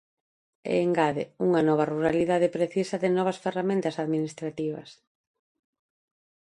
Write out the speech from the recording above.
E engade: Unha nova ruralidade precisa de novas ferramentas administrativas.